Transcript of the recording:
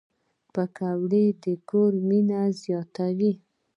پکورې د کور مینه تازه کوي